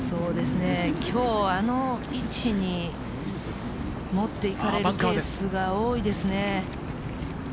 今日あの位置に持っていかれるケースが多いですね。